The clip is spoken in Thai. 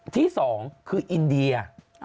ที่๒คืออินเดีย